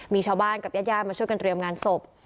มีชาวบ้านกับญาติญาติมาช่วยกันเตรียมงานศพ